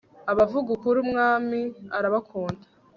abavuga ukuri umwami arabakunda